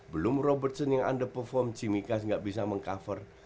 belum robertson yang underperform tsimikas gak bisa meng cover